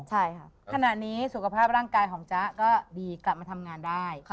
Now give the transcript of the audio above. ใช่ค่ะขณะนี้สุขภาพร่างกายของจ๊ะก็ดีกลับมาทำงานได้